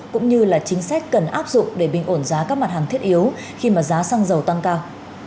cũng như là chính sách cần áp dụng để bình ổn giá các mặt hàng thiết yếu khi mà giá xăng dầu tăng cao